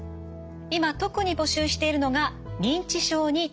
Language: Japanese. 今特に募集しているのが認知症についてです。